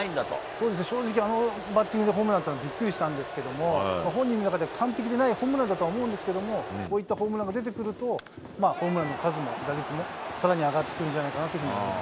そうですね、正直あのバッティングでホームラン打ったのはびっくりしたんですけれども、本人の中で完璧でないホームランだと思うんですけれども、こういったホームランが出てくると、ホームランの数も打率もさらに上がってくるんじゃないかなと思い